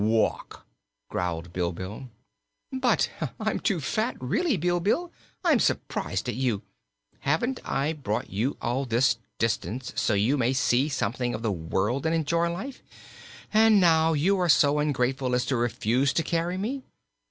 "Walk!" growled Bilbil. "But I'm too fat. Really, Bilbil, I'm surprised at you. Haven't I brought you all this distance so you may see something of the world and enjoy life? And now you are so ungrateful as to refuse to carry me!